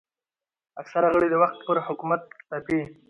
اکثره غړي د وخت پر حکومت تپي